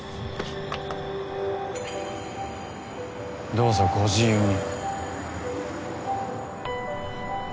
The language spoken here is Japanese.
どうぞご自由に。